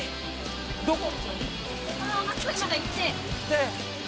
どこ？